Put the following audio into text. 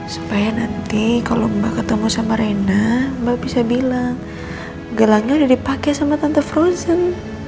supaya nanti kalau mbak ketemu sama rena mbak bisa bilang gelangnya udah dipakai sama tante frozen